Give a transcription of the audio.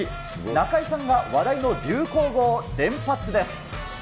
中井さんは話題の流行語を連発です。